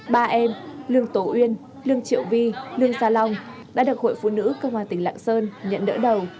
ba em lương tổ uyên lương triệu vi lương gia long đã được hội phụ nữ công an tỉnh lạng sơn nhận đỡ đầu